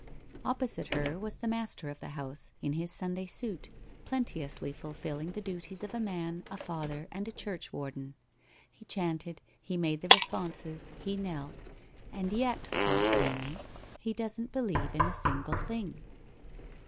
Opposite her was the master of the house, in his Sunday suit, plenteously fulfilling the duties of a man, a father, and a church warden. He chanted, he made the responses, he knelt —' and yet,' thought Amy, ' he doesn't believe in a single thing